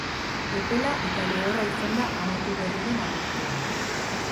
Epela eta lehorra izan da amaitu berri den abuztua.